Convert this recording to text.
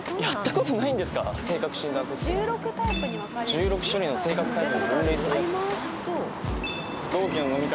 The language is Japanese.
１６種類の性格タイプに分類するやつです。